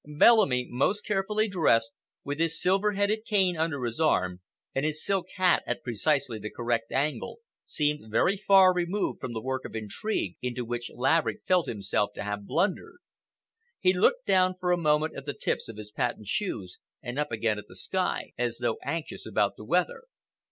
Bellamy, most carefully dressed, with his silver headed cane under his arm, and his silk hat at precisely the correct angle, seemed very far removed from the work of intrigue into which Laverick felt himself to have blundered. He looked down for a moment at the tips of his patent shoes and up again at the sky, as though anxious about the weather.